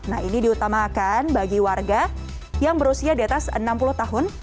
nah ini diutamakan bagi warga yang berusia di atas enam puluh tahun